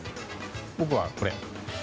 僕はこれ。